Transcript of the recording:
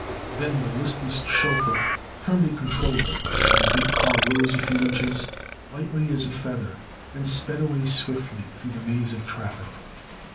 Then the listless chauffeur turned a controller, and the big car rose a few inches, lightly as a feather, and sped away swiftly through the maze of traffic.